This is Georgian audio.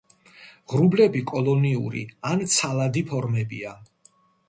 ღრუბლები კოლონიური ან ცალადი ფორმებია.